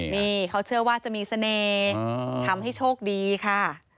นี่เขาเชื่อว่าจะมีเสน่ห์ทำให้โชคดีค่ะ